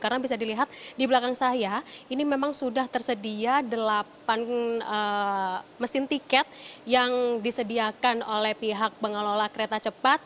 karena bisa dilihat di belakang saya ini memang sudah tersedia delapan mesin tiket yang disediakan oleh pihak pengelola kereta cepat